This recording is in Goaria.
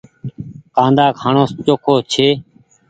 ڪآندآ کآڻو چوکو ڇي ۔